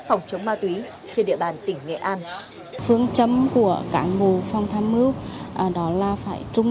phòng chống ma túy trên địa bàn tỉnh nghệ an phương châm của cán bộ phòng tham mưu đó là phải trung